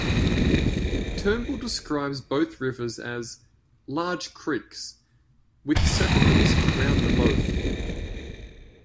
Turnbull describes both rivers as, "large creeks" with settlements around the both.